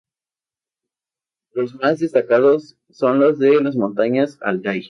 Los más destacados son los de las montañas Altái.